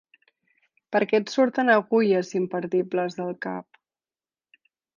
Per què et surten agulles i imperdibles del cap?